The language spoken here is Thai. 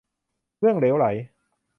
เรื่องเหลวไหล